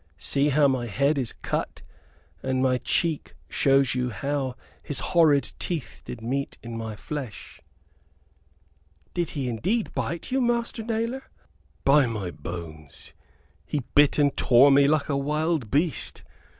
See how my head is cut, and my cheek shows you how his horrid teeth did meet in my flesh." "Did he indeed bite you, Master Nailor?" "By my bones, he bit and tore me like a wild beast.